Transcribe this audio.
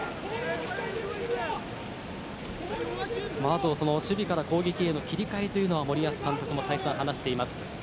あとは守備から攻撃への切り替えというのは森保監督も再三、話しています。